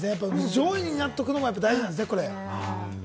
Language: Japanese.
上位になっておくのが大事なんですね。